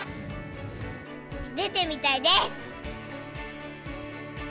出てみたいです。